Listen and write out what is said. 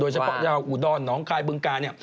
โดยเฉพาะอย่างอุดอลน้องคลายเบื้องกาเนี่ย